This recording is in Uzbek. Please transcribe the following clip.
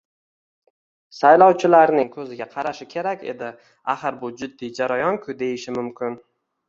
saylovchilarning ko‘ziga qarashi kerak edi, axir bu jiddiy jarayonku deyishi mumkin.